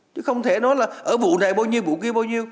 chứ không thể nói là ở vụ này bao nhiêu vụ kia bao nhiêu